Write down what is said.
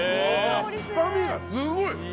深みがすごい。